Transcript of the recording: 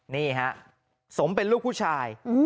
นี่ฮะสมเป็นลูกผู้ชาย